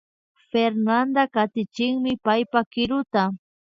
Fernanda katichinmi paypa kiruta